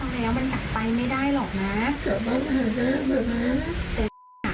เขาไม่ให้ทำอะไรเลย